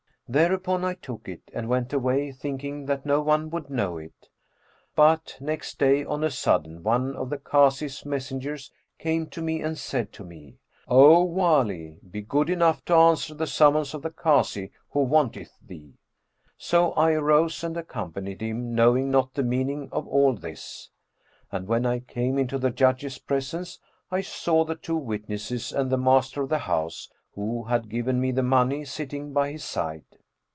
Thereupon I took it and went away thinking that no one would know it; but, next day, on a sudden one of the Kazi's messengers came to me and said to me, 'O Wali, be good enough to answer the summons of the Kazi who wanteth thee.' So I arose and accompanied him, knowing not the meaning of all this; and when I came into the judge's presence, I saw the two witnesses and the master of the house, who had given me the money, sitting by his side.